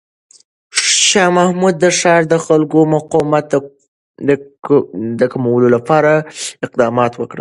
شاه محمود د ښار د خلکو د مقاومت د کمولو لپاره اقدامات وکړ.